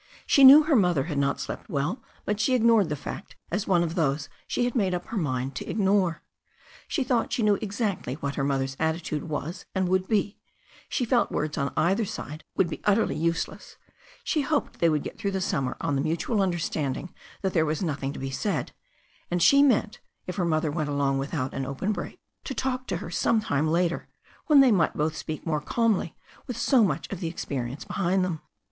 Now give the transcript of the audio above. She knew her mother had not slept well, but she ignored the fact as one of those she had made up her mind to ignore. She thought she knew exactly what her mother's attitude was and would be, she felt words on either side would be ut terly useless, she hoped they would get through the summer on the mutual understanding that there was nothing to be said, and she meant, if her mother went along without an open break, to talk to her some time later, when they might both speak more calmly with so much of the experience be hind them.